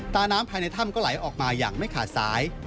ตาน้ำภายในถ้ำก็ไหลออกมาอย่างไม่ขาดสาย